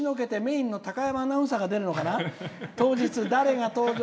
それらを押しのけてメインの高山アナウンサーが出るのかな？